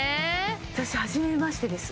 私はじめましてです